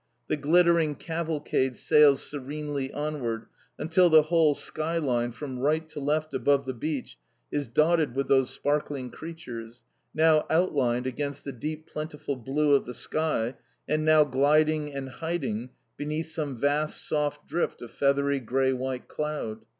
The glittering cavalcade sails serenely onward, until the whole sky line from right to left above the beach is dotted with those sparkling creatures, now outlined against the deep plentiful blue of the sky, and now gliding and hiding beneath some vast soft drift of feathery grey white cloud.